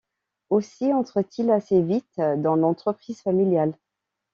Aussi entre-t-il assez vite dans l'entreprise familiale.